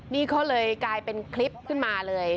นี่ก็เลยกลายเป็นคลิปขึ้นมาเลย